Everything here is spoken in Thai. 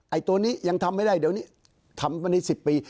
ตัวนี้ยังทำไม่ได้เดี๋ยวนี้ทำวันนี้๑๐ปี